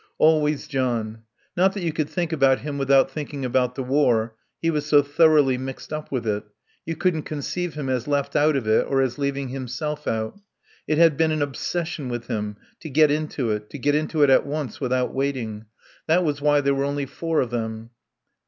Always John. Not that you could think about him without thinking about the war; he was so thoroughly mixed up with it; you couldn't conceive him as left out of it or as leaving himself out. It had been an obsession with him, to get into it, to get into it at once, without waiting. That was why there was only four of them.